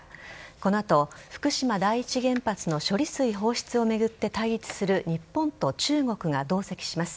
この後、福島第一原発の処理水放出を巡って対立する日本と中国が同席します。